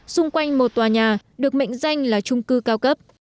xung quanh một tòa nhà được mệnh danh là trung cư cao cấp